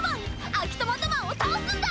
秋トマトマンを倒すんだ！